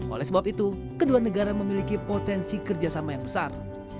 oleh sebab itu kedua negara memiliki potensi kerjasama yang besar